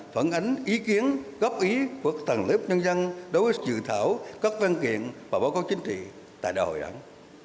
phản ánh ý kiến góp ý của tầng lớp nhân dân đối với dự thảo các văn kiện và báo cáo chính trị tại đại hội đảng